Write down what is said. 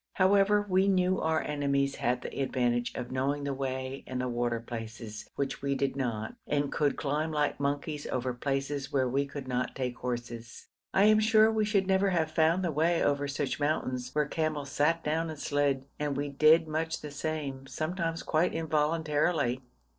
However, we knew our enemies had the advantage of knowing the way and the water places, which we did not, and could climb like monkeys over places where we could not take horses. I am sure we should never have found the way over such mountains, where camels sat down and slid, and we did much the same, sometimes quite involuntarily.